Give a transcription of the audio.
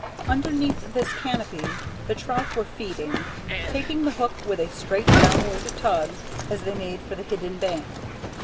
Underneath this canopy the trout were feeding, taking the hook with a straight downward tug, as they made for the hidden bank.